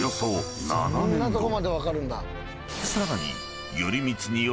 ［さらに］